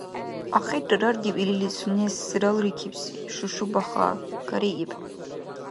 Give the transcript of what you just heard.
Ахирра раргиб илини сунес «ралрикибси» Шушу-Баха. Карииб.